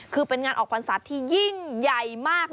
คือเป็นงานออกพรรษาที่ยิ่งใหญ่มาก